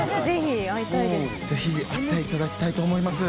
ぜひ会っていただきたいと思います。